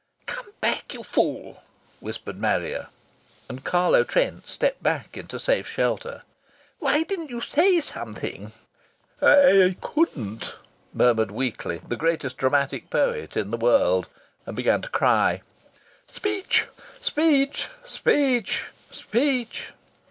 "Cam back, you fool!" whispered Marrier. And Carlo Trent stepped back into safe shelter. "Why didn't you say something?" "I c couldn't," murmured weakly the greatest dramatic poet in the world, and began to cry. "Speech! Speech! Speech! Speech!"